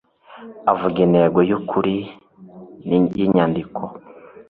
avuga intego y'ukuri y'inyandiko